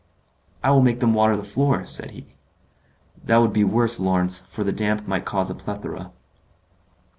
"I will make them water the floor," said he. "That would be worse, Lawrence, for the damp might cause a plethora."